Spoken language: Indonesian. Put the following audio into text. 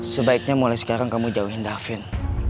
sebaiknya mulai sekarang kamu jauhin davin